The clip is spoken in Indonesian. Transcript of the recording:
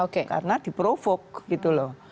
karena diprovok gitu loh